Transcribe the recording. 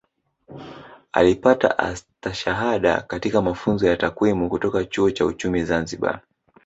Alipata Astashada katika Mafunzo ya Takwimu kutoka Chuo cha Uchumi Zanzibar